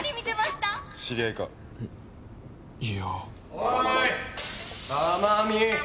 おい珠美。